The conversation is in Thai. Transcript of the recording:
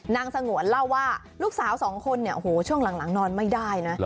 นางสงวนเล่าว่าลูกสาวสองคนเนี่ยโอ้โหช่วงหลังนอนไม่ได้นะ